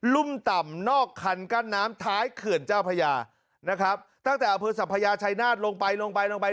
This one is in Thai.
รุ่มต่ำนอกคันกั้นน้ำท้ายเขื่อนเจ้าพญานะครับตั้งแต่อำเภอสัพพยาชายนาฏลงไปลงไป